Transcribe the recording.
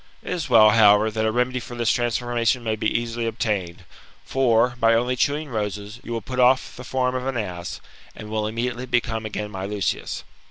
It is well, however, that a remedy for this transformation may be easily obtained ; for, by only chewing roses, you will put off the form of an ass, and will immediately become again my Lucius.